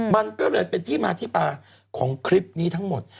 มันก็เลยเป็นที่มาที่ไปของคลิปนี้ทั้งหมด